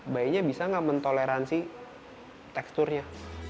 bayinya bisa nggak mentoleransi teksturnya